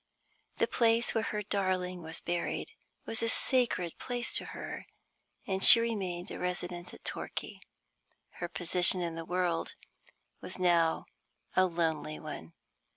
The place where her darling was buried was a sacred place to her and she remained a resident at Torquay. Her position in the world was now a lonely one.